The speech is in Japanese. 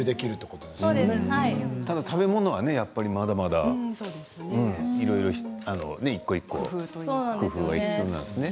ただ食べ物はまだまだねいろいろ一個一個工夫が必要なんですね。